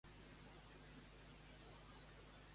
Amb quin partit tenen afinitat els dos polítics catalans?